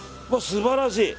素晴らしい。